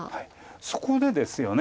そこでですよね。